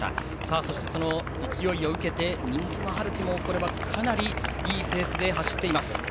その勢いを受けて、新妻遼己もかなりいいペースで走っています。